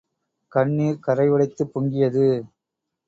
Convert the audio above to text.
கண்ணிர் கரை உடைத்துப் பொங்கியது.